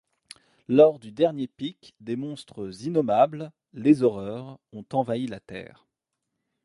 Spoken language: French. Lors du dernier pic, des monstres innommables, les Horreurs, ont envahi la Terre.